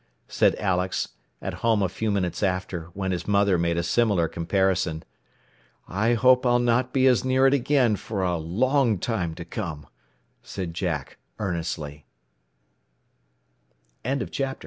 said Alex, at home a few minutes after, when his mother made a similar comparison. "I hope I'll not be as near it again for a long time to come," said Jac